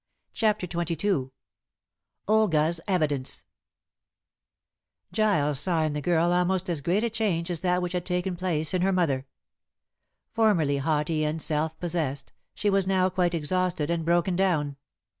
CHAPTER XXII OLGA'S EVIDENCE Giles saw in the girl almost as great a change as that which had taken place in her mother. Formerly haughty and self possessed, she was now quite exhausted and broken down.